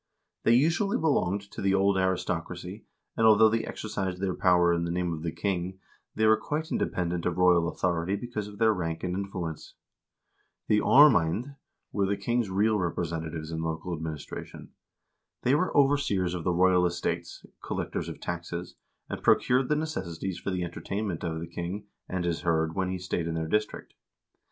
They usually belonged to the old aristocracy, and although they exercised their power in the name of the king, they were quite independent of royal authority because of their rank and influence. The aarmcend were the king's real representatives in local administration. They were overseers of the royal estates, collectors of taxes, and procured the necessaries for the entertainment of the king and his hird when he stayed in their district.